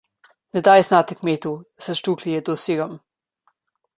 Ne daj znati kmetu, da se štruklji jedo s sirom.